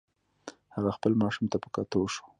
هغه خپل ماشوم ته په کتو شو.